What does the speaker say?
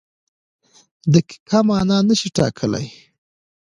دقیقه مانا نشي ټاکلی.